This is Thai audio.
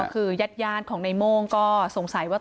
คือยัดหยานของหนัยโมงก็สงสัยว่า